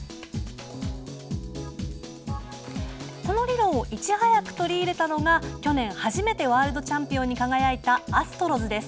この理論をいち早く取り入れたのが去年初めてワールドチャンピオンに輝いたアストロズです。